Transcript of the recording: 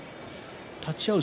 立ち合う